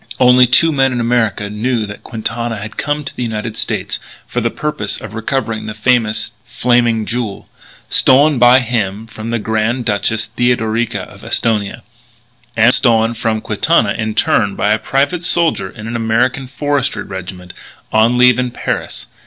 Only two men in America knew that Quintana had come to the United States for the purpose of recovering the famous "Flaming Jewel," stolen by him from the Grand Duchess Theodorica of Esthonia; and stolen from Quintana, in turn, by a private soldier in an American Forestry Regiment, on leave in Paris.